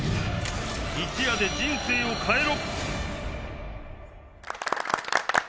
一夜で人生を変えろ！